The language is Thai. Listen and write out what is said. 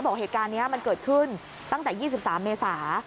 บอกเหตุการณ์นี้มันเกิดขึ้นตั้งแต่๒๓เมษา